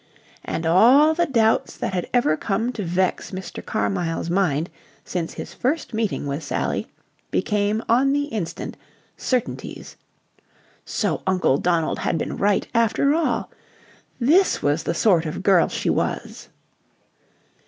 And all the doubts that had ever come to vex Mr. Carmyle's mind since his first meeting with Sally became on the instant certainties. So Uncle Donald had been right after all! This was the sort of girl she was!